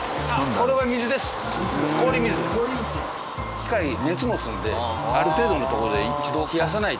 機械熱を持つのである程度のところで一度冷やさないと。